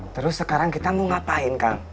terus sekarang kita mau ngapain kang